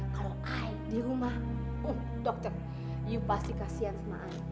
kalau ay di rumah oh dokter you pasti kasihan sama ay